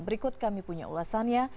berikut kami punya ulasannya